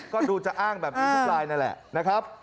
ก็ดูจะอ้างแบบนี้ทุกลายนั่นแหละนะครับ